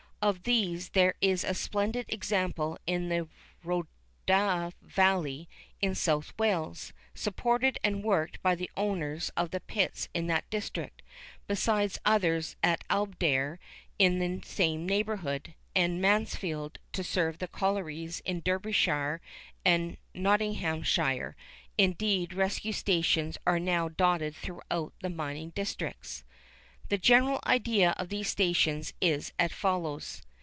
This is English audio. Of these there is a splendid example in the Rhondda Valley, in South Wales, supported and worked by the owners of the pits in that district, besides others at Aberdare, in the same neighbourhood, at Mansfield, to serve the collieries in Derbyshire and Nottinghamshire; indeed rescue stations are now dotted throughout the mining districts. The general idea of these stations is as follows.